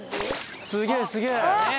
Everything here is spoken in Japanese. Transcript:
すげえすげえ！